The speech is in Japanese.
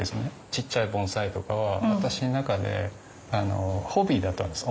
ちっちゃい盆栽とかは私の中でホビーだったんです。